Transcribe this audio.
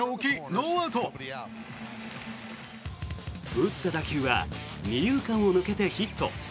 打った打球は二遊間を抜けてヒット。